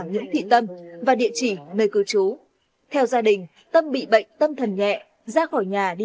nguyễn thị tâm và địa chỉ nơi cư trú theo gia đình tâm bị bệnh tâm thần nhẹ